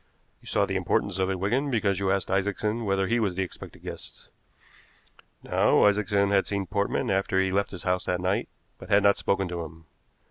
You saw the importance of it, Wigan, because you asked Isaacson whether he was the expected guest. Now, Isaacson had seen Portman after he had left his house that night, but had not spoken to him.